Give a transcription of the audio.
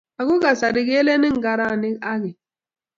Ako kasari keleni ngaranik akeny.